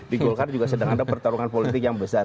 di golkar juga sedang ada pertarungan politik yang besar